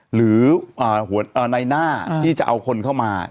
หรือหัวหน้าที่จะเอาคนเข้ามา